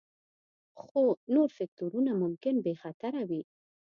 خو نور فکتورونه ممکن بې خطره وي